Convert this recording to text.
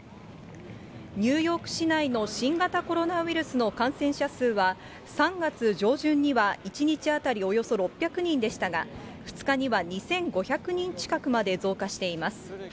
ニューヨーク市内の新型コロナウイルスの感染者数は、３月上旬には１日当たりおよそ６００人でしたが、２日には２５００人近くまで増加しています。